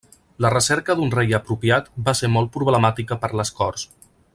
La recerca d'un rei apropiat va ser molt problemàtica per les Corts.